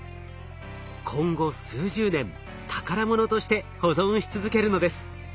今後数十年宝物として保存し続けるのです。